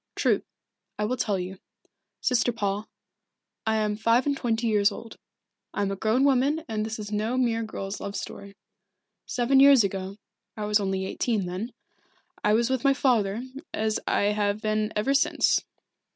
"True. I will tell you. Sister Paul I am five and twenty years old, I am a grown woman and this is no mere girl's love story. Seven years ago I was only eighteen then I was with my father as I have been ever since.